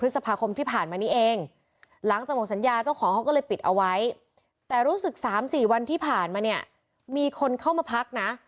สามสี่วันที่ผ่านมาเนี้ยมีคนเข้ามาพักนะ